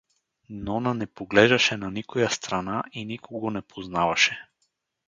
Нона не поглеждаше на никоя страна и никого не познаваше.